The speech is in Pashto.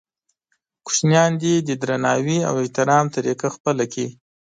کوچنیان دې د درناوي او احترام طریقه خپله کړي.